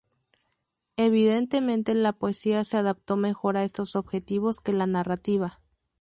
Evidentemente, la poesía se adaptó mejor a estos objetivos que la narrativa.